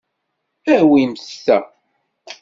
Awimt ta.